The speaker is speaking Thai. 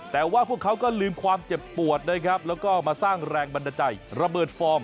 แต่ว่าพวกเขาก็ลืมความเจ็บปวดนะครับแล้วก็มาสร้างแรงบันดาลใจระเบิดฟอร์ม